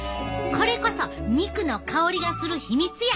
これこそ肉の香りがする秘密や！